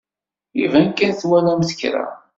Iban kan twalamt kra.